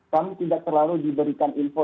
kami tidak terlalu diberikan info